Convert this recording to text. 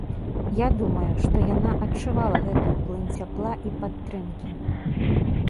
Я думаю, што яна адчувала гэтую плынь цяпла і падтрымкі.